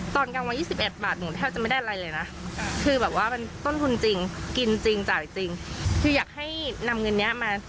ตอนกลางวัน๒๑บาทคือแบบว่ามันต้นจริงกินจริงจ่ายจริงอยากให้นำเงินนี้มา